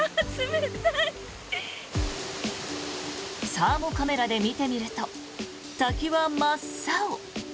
サーモカメラで見てみると滝は真っ青。